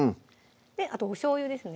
あとおしょうゆですね